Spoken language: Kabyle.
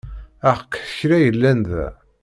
Aḥeqq kra yellan da!